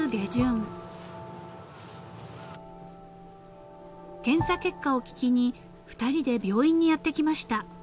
［検査結果を聞きに２人で病院にやって来ました］